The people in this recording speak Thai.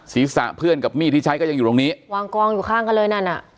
ศีรษะเพื่อนกับมีดที่ใช้ก็ยังอยู่ตรงนี้วางกองอยู่ข้างกันเลยนั่นอ่ะ